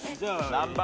何番？